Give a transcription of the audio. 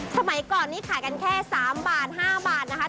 สมัยก่อนนี้ขายกันแค่๓บาท๕บาทนะคะ